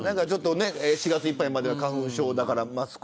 ４月いっぱいまでは花粉症だから。